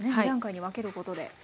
２段階に分けることで。